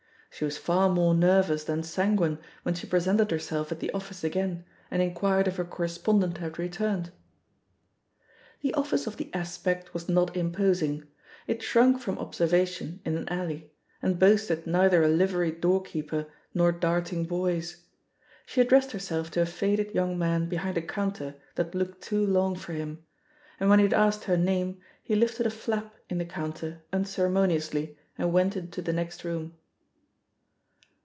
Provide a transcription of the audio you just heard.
She was far more nervous than sanguine when she pre sented herself at the office again and inquired if her correspondent had returned. The office of The Aspect was not imposing — it shrunk from observation in an alley, and boasted neither a liveried doorkeeper nor dart ing boys. She addressed herself to a faded young man behind a counter that looked too long for him; and when he had asked her name he lifted a flap in the counter unceremoniously and went into the next room.